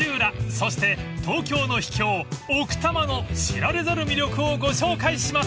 ［そして東京の秘境奥多摩の知られざる魅力をご紹介します］